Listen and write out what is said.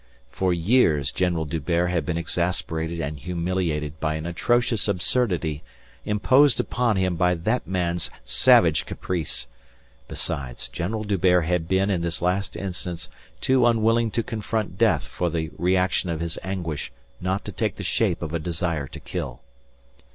For years General D'Hubert had been exasperated and humiliated by an atrocious absurdity imposed upon him by that man's savage caprice. Besides, General D'Hubert had been in this last instance too unwilling to confront death for the reaction of his anguish not to take the shape of a desire to kill.